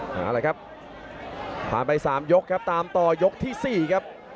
อะไรครับผ่านไป๓ยกครับตามต่อยกที่๔ครับ